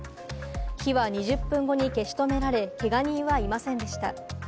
火は２０分後に消し止められ、けが人はいませんでした。